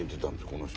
この人。